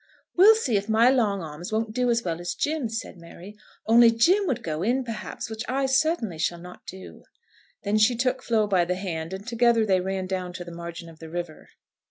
"We'll see if my long arms won't do as well as Jim's," said Mary; "only Jim would go in, perhaps, which I certainly shall not do." Then she took Flo by the hand, and together they ran down to the margin of the river.